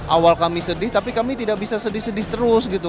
awal kami sedih tapi kami tidak bisa sedih sedih terus gitu